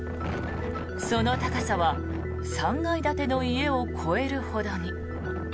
その高さは３階建ての家を越えるほどに。